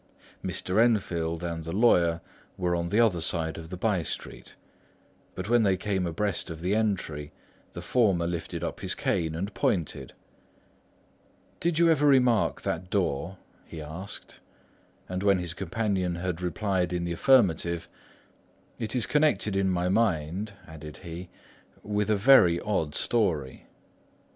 Mr. Enfield and the lawyer were on the other side of the by street; but when they came abreast of the entry, the former lifted up his cane and pointed. "Did you ever remark that door?" he asked; and when his companion had replied in the affirmative, "It is connected in my mind," added he, "with a very odd story."